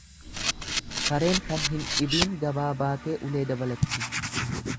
Sareen kan hin dhibiin gabaa baatee ulee dabalatti.